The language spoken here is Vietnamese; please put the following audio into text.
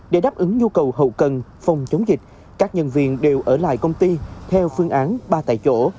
để đáp ứng nhu cầu hậu cần phòng chống dịch các nhân viên đều ở lại công ty theo phương án ba tại chỗ